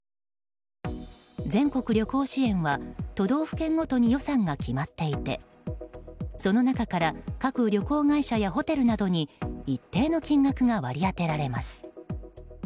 全国旅行支援は都道府県ごとに予算が決まっていてその中から各旅行会社やホテルなどに一定の金額が割り当てられます。